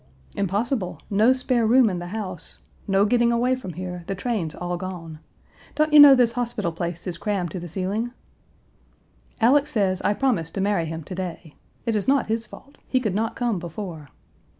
" 'Impossible. No spare room in the house. No getting away from here; the trains all gone. Don't you know this hospital place is crammed to the ceiling?' 'Alex says I promised to marry him to day. It is not his fault; he could not come before.'